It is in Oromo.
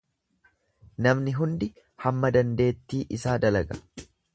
Namni hundi hamma dandeettii isaa dalaga.